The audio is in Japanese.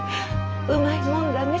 うまいもんだね。